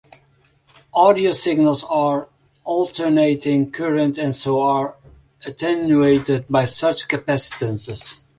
Audio signals are alternating current and so are attenuated by such capacitances.